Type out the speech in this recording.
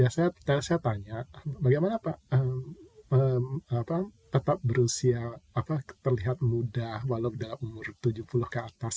saya tanya bagaimana pak tetap berusia terlihat muda walaupun dalam umur tujuh puluh ke atas